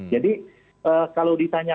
jadi kalau ditanya